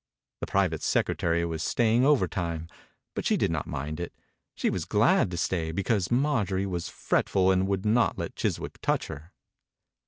The private secre tary was staying overtime, but she did not mind it. She was glad to stay because Marjorie 66 THE INCUBATOR BABY was fretful and would not let Chiswick touch her.